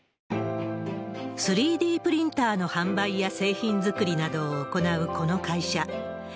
３Ｄプリンターの販売や製品作りなどを行うこの会社。